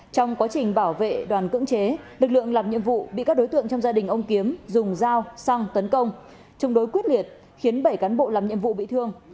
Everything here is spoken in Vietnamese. trong quá trình bảo vệ đoàn cưỡng chế lực lượng làm nhiệm vụ bị các đối tượng trong gia đình ông kiếm dùng dao xăng tấn công chống đối quyết liệt khiến bảy cán bộ làm nhiệm vụ bị thương